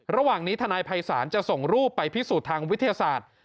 ระหว่างนี้ทนายภัยศาลจะส่งรูปไปพิสูจน์ทางวิทยาศาสตร์